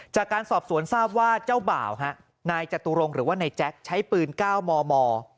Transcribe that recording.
จากการสอบสวนทราบว่าเจ้าบ่าวนายจตุรงค์หรือว่านายแจ๊คใช้ปืน๙มม